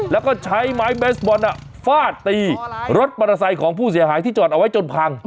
แล้วก็ใช้ไม้เบสบอลฟาดตีรถมอเตอร์ไซค์ของผู้เสียหายที่จอดเอาไว้จนพัง